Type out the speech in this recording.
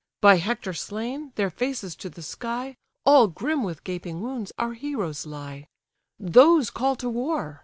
By Hector slain, their faces to the sky, All grim with gaping wounds, our heroes lie: Those call to war!